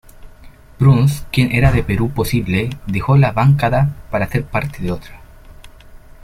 Bruce, quien era de Perú Posible, dejó la Bancada para ser parte de otra.